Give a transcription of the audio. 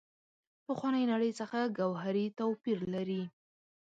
پخوانۍ نړۍ څخه ګوهري توپیر لري.